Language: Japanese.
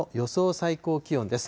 最高気温です。